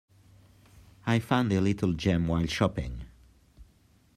I found a little gem while shopping.